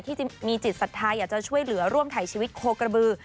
ที่มีจิตศรัทธาอยากจะช่วยเหลือร่วมถ่ายชีวิตโคกระบือ